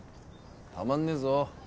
たまんねえぞ。